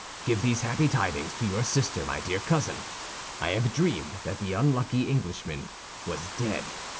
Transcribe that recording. Give these happy tidings to your sister, my dear cousin. I have dreamed that the unlucky Englishman was dead.